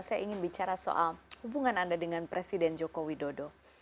saya ingin bicara soal hubungan anda dengan presiden joko widodo